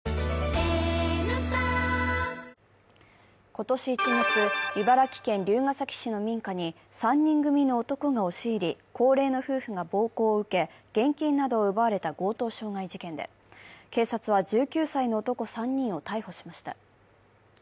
今年１月、茨城県龍ケ崎市の民家に３人組の男が押し入り高齢の夫婦が暴行を受け、現金などを奪われた強盗傷害事件で警察は１９歳の男３人を逮捕しました。